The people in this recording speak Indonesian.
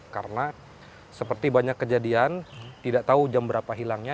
karena seperti banyak kejadian tidak tahu jam berapa hilangnya